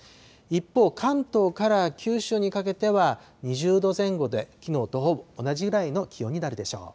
一方、関東から九州にかけては２０度前後で、きのうとほぼ同じぐらいの気温になるでしょう。